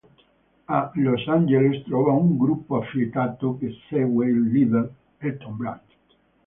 A Los Angeles trova un gruppo affiatato, che segue il leader Elton Brand.